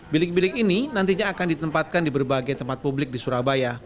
bilik bilik ini nantinya akan ditempatkan di berbagai tempat publik di surabaya